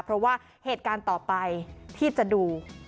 เพราะว่าเหตุการณ์ต่อไปที่จะดู